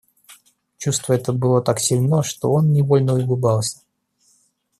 Чувство это было так сильно, что он невольно улыбался.